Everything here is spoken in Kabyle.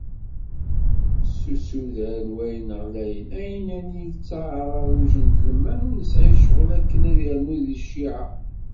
S usuder n wayen ɣlayen, εinani, i yettεaraḍ ujantelman ur nesεi ccɣel akken ad yernu di cciεa.